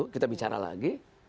kita bicara lagi